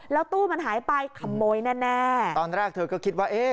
แล้วตู้มันหายไปขโมยแน่แน่ตอนแรกเธอก็คิดว่าเอ๊ะ